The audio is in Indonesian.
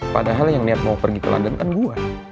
padahal yang niat mau pergi ke london kan gua